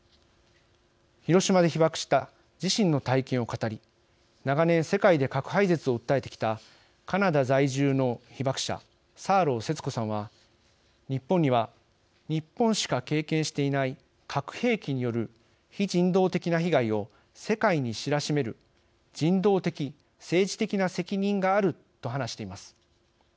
広島で被爆した自身の体験を語り長年、世界で核廃絶を訴えてきたカナダ在住の被爆者サーロー節子さんは「日本には日本しか経験していない核兵器による非人道的な被害を世界に知らしめる人道的、政治的な責任がある」と話しています。